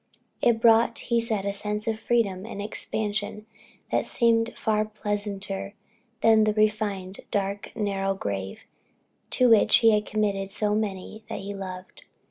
It brought, he said, a sense of freedom and expansion and seemed far pleasanter than the confined, dark, narrow grave, to which he had committed so many that he loved.